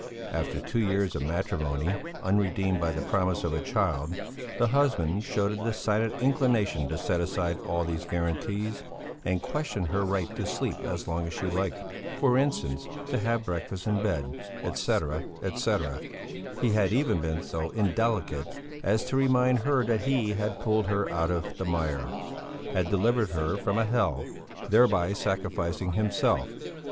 After two years of matrimony, unredeemed by the promise of a child, the husband showed a decided inclination to set aside all these guarantees, and question her right to sleep as long as she liked, for instance, to have breakfast in bed, etcetera, etcetera; he had even been so indelicate as to remind her that he had pulled her out of the mire; had delivered her from a hell, thereby sacrificing himself.